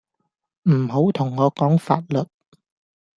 唔好同我講法律